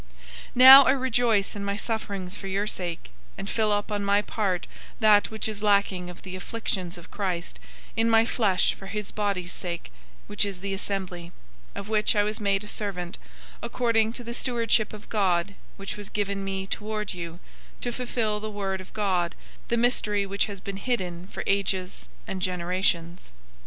001:024 Now I rejoice in my sufferings for your sake, and fill up on my part that which is lacking of the afflictions of Christ in my flesh for his body's sake, which is the assembly; 001:025 of which I was made a servant, according to the stewardship of God which was given me toward you, to fulfill the word of God, 001:026 the mystery which has been hidden for ages and generations.